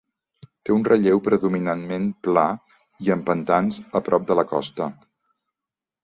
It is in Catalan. Té un relleu predominantment pla i amb pantans a prop de la costa.